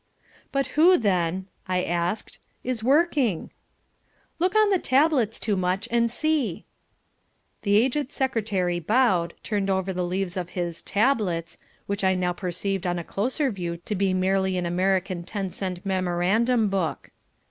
"But who then," I asked, "is working?" "Look on the tablets, Toomuch, and see." The aged Secretary bowed, turned over the leaves of his "tablets," which I now perceived on a closer view to be merely an American ten cent memorandum book.